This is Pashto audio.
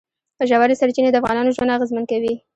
ژورې سرچینې د افغانانو ژوند اغېزمن کوي.